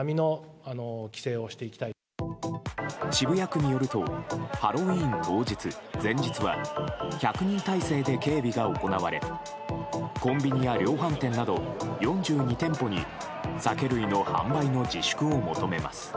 渋谷区によるとハロウィーン当日・前日は１００人態勢で警備が行われコンビニや量販店など４２店舗に酒類の販売自粛を求めます。